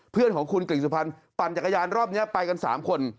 เพื่อนของคุณกริ่งสุพรรณปั่นจักรยานรอบนี้ไปกัน๓คน